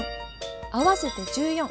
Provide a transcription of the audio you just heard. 合わせて１４。